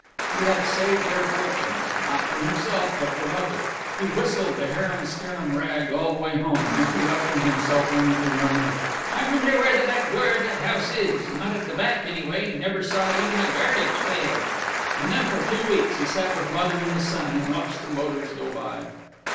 He had saved their fortunes not for himself, but for Mother. He whistled "The Harum Scarum Rag" all the way home, interrupting himself only to murmur: "I wonder where the back door of that house is. Not at the back, anyway. Never saw even a garbage pail." And then for two weeks he sat with Mother in the sun and watched the motors go by.